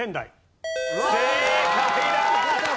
正解だ！